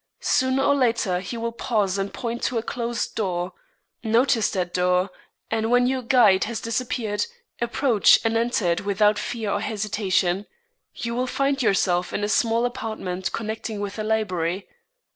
Sooner or later he will pause and point to a closed door. Notice that door, and when your guide has disappeared, approach and enter it without fear or hesitation. You will find yourself in a small apartment connecting with the library.